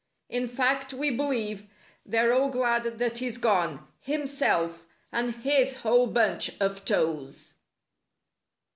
In fact, we believe, they're all glad that he's gone— Himself and his whole bunch of toes.